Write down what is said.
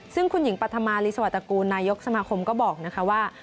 ซึ่งคุณหญิงปัธมารีสวรตกูลนายกสมาคมก็บอกนะคะว่า